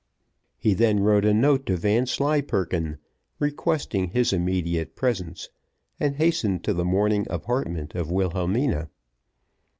He then wrote a note to Vanslyperken, requesting his immediate presence, and hastened to the morning apartment of Wilhelmina.